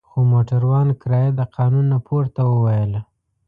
خو موټروان کرایه د قانون نه پورته وویله.